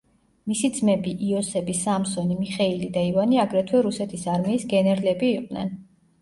მისი ძმები, იოსები, სამსონი, მიხეილი და ივანე აგრეთვე რუსეთის არმიის გენერლები იყვნენ.